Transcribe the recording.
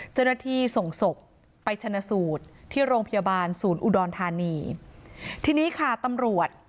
เจ้าหน้าที่ส่งศพไปชนะสูตรที่โรงพยาบาลศูนย์อุดรธานีทีนี้ค่ะตำรวจ